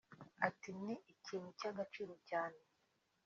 ati “Ni ikintu cy’agaciro cyane